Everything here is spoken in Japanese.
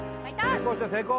成功して成功！